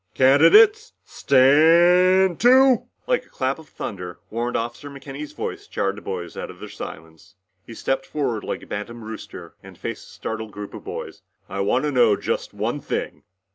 "Candidates staaaaaaaaannnnnd too!" Like a clap of thunder Warrant Officer McKenny's voice jarred the boys out of their silence. He stepped forward like a bantam rooster and faced the startled group of boys. "I wanna know just one thing!